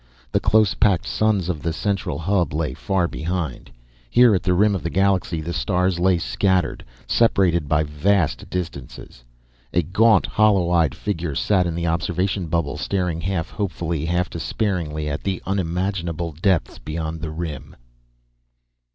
The close packed suns of the central hub lay far behind. Here at the rim of the galaxy the stars lay scattered, separated by vast distances. A gaunt hollow eyed figure sat in the observation bubble staring half hopefully, half despairingly at the unimaginable depths beyond the rim.